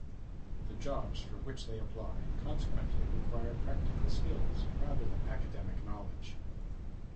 The jobs for which they apply consequently require practical skills rather than academic knowledge.